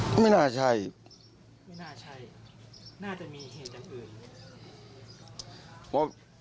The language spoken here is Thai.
พี่ฟัลโรมีไหม